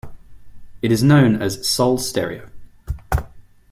It is known as Sol Stereo.